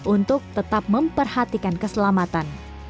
untuk tetap memperhatikan keselamatan